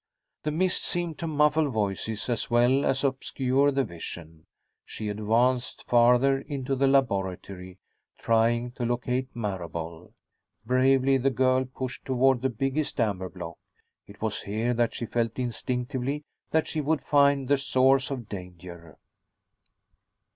The mist seemed to muffle voices as well as obscure the vision. She advanced farther into the laboratory, trying to locate Marable. Bravely the girl pushed toward the biggest amber block. It was here that she felt instinctively that she would find the source of danger.